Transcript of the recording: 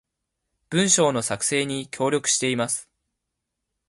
文章の作成に協力しています